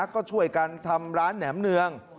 ก็ช่วยกันทำร้านแหนมเนือง